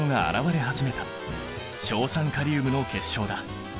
硝酸カリウムの結晶だ。